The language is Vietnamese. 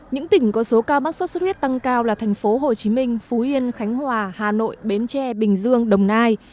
những tỉnh có số ca mắc sốt xuất huyết tăng cao là thành phố hồ chí minh phú yên khánh hòa hà nội bến tre bình dương đồng nai